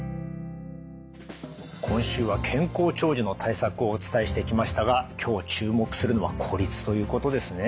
今週は健康長寿の対策をお伝えしてきましたが今日注目するのは孤立ということですね。